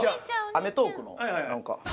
『アメトーーク』の？